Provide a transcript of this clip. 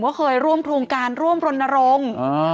เคยร่วมโครงการร่วมรณรงค์